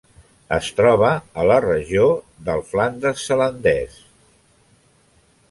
Es troba a la regió del Flandes zelandès.